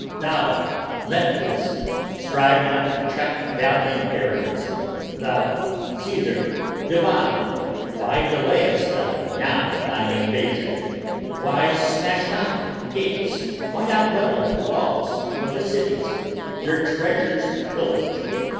Thou, Lentulus, strive not to check valiant Ares! Thou, Cesar divine, why delayest thou now thine invasion? Why smash not the gates, why not level the walls of the cities, Their treasures to pillage?